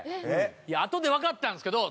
あとでわかったんですけど